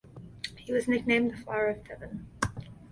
He was nicknamed "the flower of Devon".